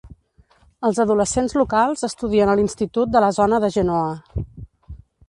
Els adolescents locals estudien a l'Institut de la zona de Genoa.